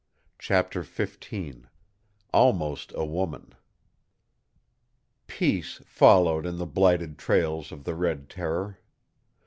CHAPTER XV ALMOST A WOMAN Peace followed in the blighted trails of the Red Terror.